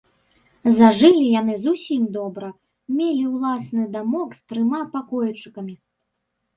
Зажылі яны зусім добра, мелі ўласны дамок з трыма пакойчыкамі.